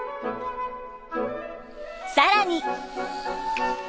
更に。